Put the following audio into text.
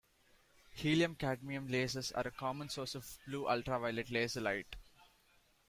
Helium-cadmium lasers are a common source of blue-ultraviolet laser light.